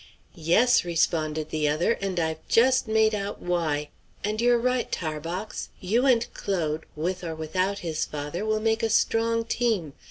"Yes," responded the other, "and I've just made out why! And you're right, Tarbox; you and Claude, with or without his father, will make a strong team.